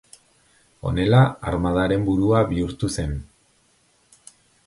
Honela, armadaren burua bihurtu zen.